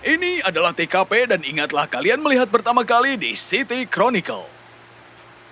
ini adalah tkp dan ingatlah kalian melihat pertama kali di city chronical